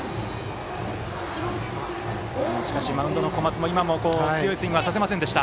マウンドの小松も強いスイングはさせませんでした。